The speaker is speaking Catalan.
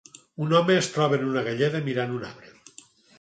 Un home es troba en una galleda mirant un arbre